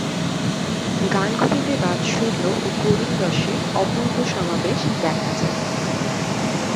গানগুলিতে বাৎসল্য ও করুণরসের অপূর্ব সমাবেশ দেখা যায়।